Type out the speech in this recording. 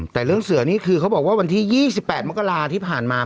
แต่เรื่องเสือนี่คือเขาบอกว่าวันที่๒๘มกราที่ผ่านมา